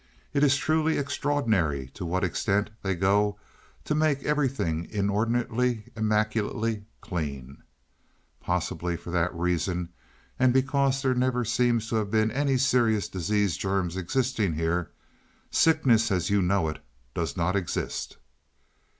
It is truly extraordinary to what extent they go to make everything inordinately, immaculately clean. Possibly for that reason, and because there seems never to have been any serious disease germs existing here, sickness as you know it, does not exist."